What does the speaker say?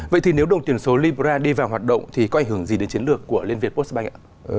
vậy thì nếu đồng tiền số libra đi vào hoạt động thì có ảnh hưởng gì đến chiến lược của liên việt postbank ạ